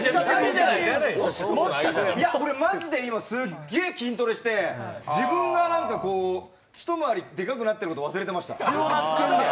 俺、マジで今、すっげえ筋トレして、自分が一回りでかくなってること忘れてました